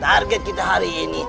target kita hari ini